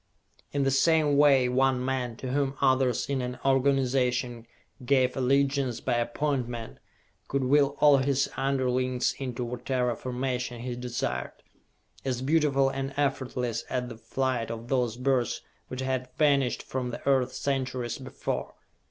In the same way, one man, to whom others in an organization gave allegiance by appointment, could will all his underlings into whatever formation he desired. As beautiful and effortless at the flight of those birds which had vanished from the earth centuries before.